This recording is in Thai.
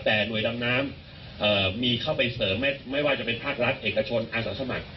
แต่หน่วยดำน้ำมีเข้าไปเสริมไม่ว่าจะเป็นภาครัฐเอกชนอาสาสมัคร